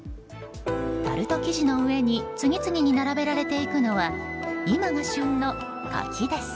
タルト生地の上に次々に並べられていくのは今が旬の柿です。